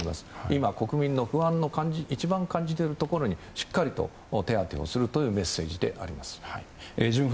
今、国民の不安の感じ一番感じているところにしっかりと手当てをするというメッセージであります。